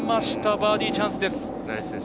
バーディーチャンスです。